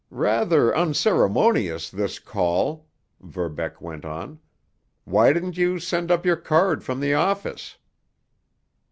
"Rather unceremonious, this call," Verbeck went on. "Why didn't you send up your card from the office?"